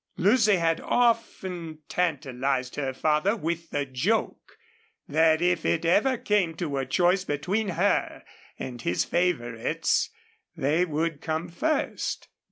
Lucy had often tantalized her father with the joke that if it ever came to a choice between her and his favorites they would come first.